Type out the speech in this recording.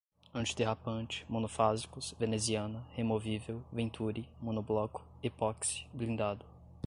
antiderrapante, monofásicos, veneziana, removível, venturi, monobloco, epóxi, blindado